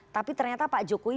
tapi ternyata pak jokowi